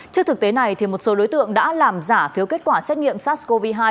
trước thực tế này một số đối tượng đã làm giả phiếu kết quả xét nghiệm sars cov hai